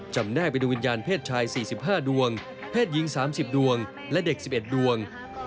จำแนกเป็นดูวิญญาณเพศชายสี่สิบห้าดวงเพศหญิงสามสิบดวงและเด็กสิบเอ็ดดวง